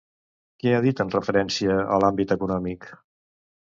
Què ha dit en referència a l'àmbit econòmic?